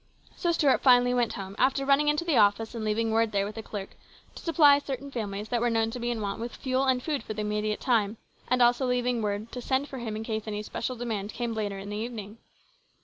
So Stuart finally went home, after running into the office and leaving word there with a clerk to supply certain families that were known to be in want with fuel and food for the immediate time, and also leaving word to send for him in case any special demand came in later in the evening.